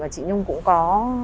và chị nhung cũng có